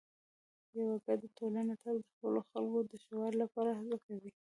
یوه ګډه ټولنه تل د خپلو خلکو د ښه والي لپاره هڅه کوي.